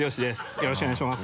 よろしくお願いします。